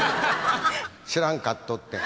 知らんかっとってん。